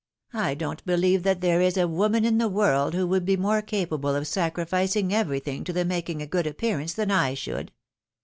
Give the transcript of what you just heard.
I don't beHeve that there is a woman in the world who would be more capable of sacrificing everything to the making a good appearance, than I should.